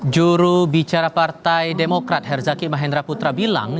juru bicara partai demokrat herzaki mahendra putra bilang